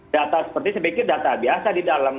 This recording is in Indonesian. data seperti saya pikir data biasa di dalam